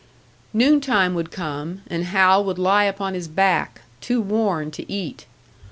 Noon time would come, and Hal would lie upon his back, too worn to eat.